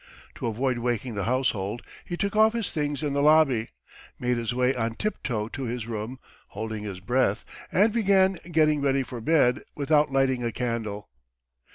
To avoid waking the household he took off his things in the lobby, made his way on tiptoe to his room, holding his breath, and began getting ready for bed without lighting a candle.